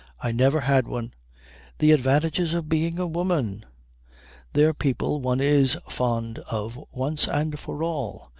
"I never had one." "The advantages of being a woman! They're people one is fond of once and for all.